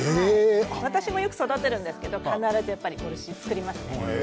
私も育てているんですけれども必ずボルシチ作りますね